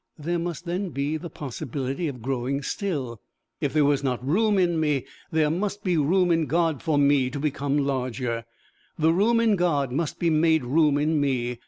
There must then be the possibility of growing still! If there was not room in me, there must be room in God for me to become larger! The room in God must be made room in me!